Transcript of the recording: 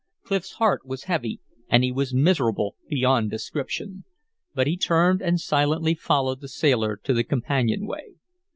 Clif's heart was heavy, and he was miserable beyond description. But he turned and silently followed the sailor to the companionway.